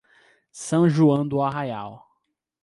São João do Arraial